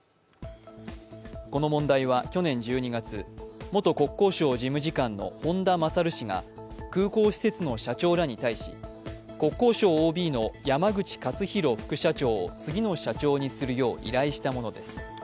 この問題は去年１２月、元国交省事務次官の本田勝氏が空港施設の社長らに対し国交省ＯＢの山口勝弘副社長を次の社長にするよう依頼したものです。